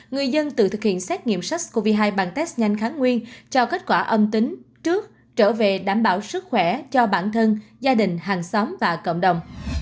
người dân tự thực hiện xét nghiệm sars cov hai bằng test nhanh kháng nguyên cho kết quả âm tính trước trở về đảm bảo sức khỏe cho bản thân gia đình hàng xóm và cộng đồng